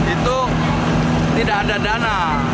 itu tidak ada dana